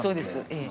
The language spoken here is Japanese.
ええ。